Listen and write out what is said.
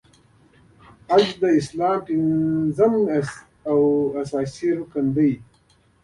حج د اسلام پنځم او اساسې رکن دی .